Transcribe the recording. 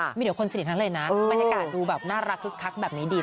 เดี๋ยวคนสนิททั้งเลยนะบรรยากาศดูแบบน่ารักคึกคักแบบนี้ดี